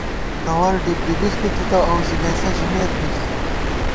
گوَر ڈِبڈِبز بِی تھِتہ اؤ زِگئیݪہ ژِمېت می نئ